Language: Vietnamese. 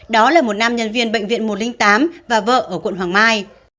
đó là một nam nhân viên bệnh viện một trăm linh tám và vợ ở quận hoàng mai